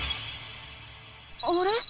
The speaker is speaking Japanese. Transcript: あれ？